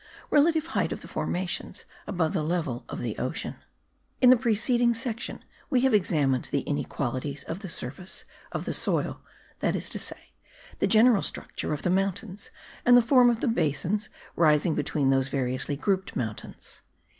RELATIVE HEIGHT OF THE FORMATIONS ABOVE THE LEVEL OF THE OCEAN. In the preceding section we have examined the inequalities of the surface of the soil, that is to say, the general structure of the mountains and the form of the basins rising between those variously grouped mountains.